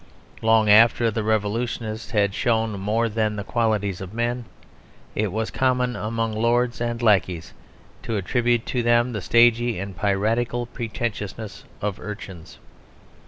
Long after the revolutionists had shown more than the qualities of men, it was common among lords and lacqueys to attribute to them the stagey and piratical pretentiousness of urchins.